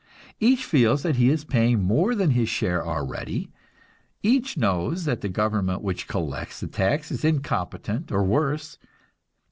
Each feels that he is paying more than his share already; each knows that the government which collects the tax is incompetent or worse.